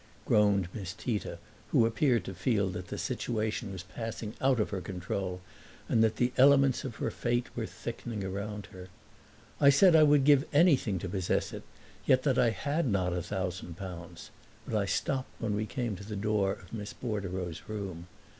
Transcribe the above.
groaned Miss Tita, who appeared to feel that the situation was passing out of her control and that the elements of her fate were thickening around her. I said that I would give anything to possess it, yet that I had not a thousand pounds; but I stopped when we came to the door of Miss Bordereau's room.